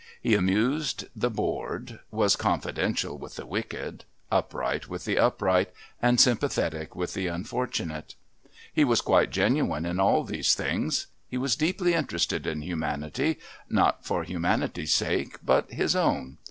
He amused the bored, was confidential with the wicked, upright with the upright, and sympathetic with the unfortunate. He was quite genuine in all these things. He was deeply interested in humanity, not for humanity's sake but his own.